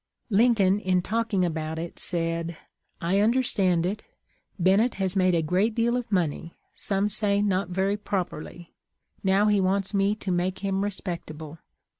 Lincoln in talking about it said, ' I understand it ; Bennett has made a great deal of money, some say not very properly, now he wants me to make him respect able.